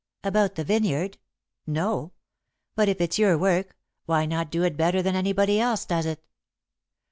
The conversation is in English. "About the vineyard? No. But, if it's your work, why not do it better than anybody else does it?"